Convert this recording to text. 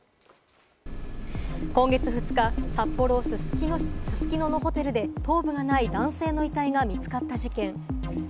今月２日、札幌・すすきののホテルで頭部がない男性の遺体が見つかった事件。